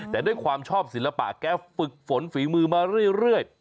แต่ด้วยความชอบศิลปะแกฝึกฝนฝีมือมาเรื่อย